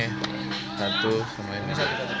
ini satu sama ini